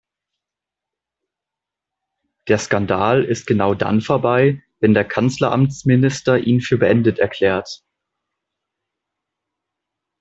Der Skandal ist genau dann vorbei, wenn der Kanzleramtsminister ihn für beendet erklärt.